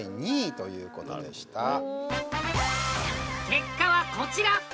結果はこちら！